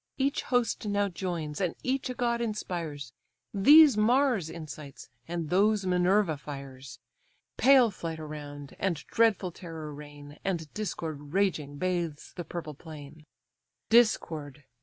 Each host now joins, and each a god inspires, These Mars incites, and those Minerva fires, Pale flight around, and dreadful terror reign; And discord raging bathes the purple plain; Discord!